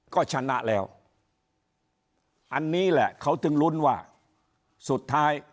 ก็ชนะแล้วอันนี้แหละเขาถึงลุ้นว่าสุดท้าย